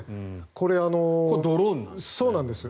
これドローンなんですね。